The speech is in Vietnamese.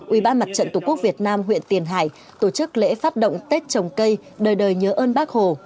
ủy ban mặt trận tổ quốc việt nam huyện tiền hải tổ chức lễ phát động tết trồng cây đời đời nhớ ơn bác hồ